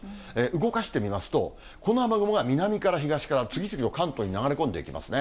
動かしてみますと、この雨雲が、南から、東から、次々と関東に流れ込んでいきますね。